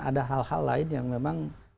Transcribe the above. ada hal hal lain yang memang